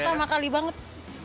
iya pertama kali banget